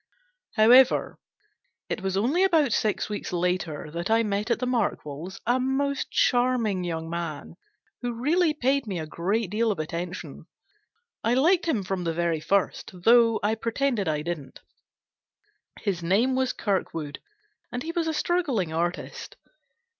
However, it was only about six weeks later 334 GENERAL PASSAVANT'S WILL. that I met at the Markwells' a most charming young man, who really paid me a great deal of attention. I liked him from the very first, though I pretended I didn't. His name was Kirkwood, and he was a struggling artist.